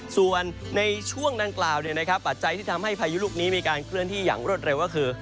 ส่วนในช่วงดังกล่าวปัจจัยที่ทำให้พายุลูกนี้มีการเคลื่อนที่อย่างรวดเร็วก็คือ